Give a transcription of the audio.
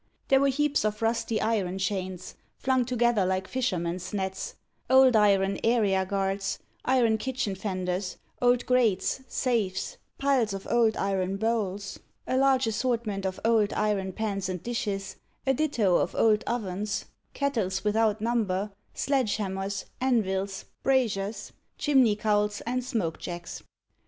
There were heaps of rusty iron chains flung together like fishermen's nets, old iron area guards, iron kitchen fenders, old grates, safes, piles of old iron bowls, a large assortment of old iron pans and dishes, a ditto of old ovens, kettles without number, sledge hammers, anvils, braziers, chimney cowls, and smoke jacks.